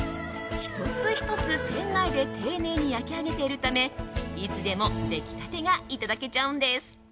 １つ１つ店内で丁寧に焼き上げているためいつでも出来たてがいただけちゃうんです。